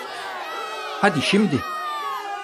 Hadi şimdi!